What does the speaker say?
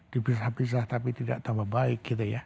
dipisah pisah tapi tidak tambah baik gitu ya